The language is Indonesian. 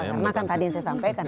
karena kan tadi yang saya sampaikan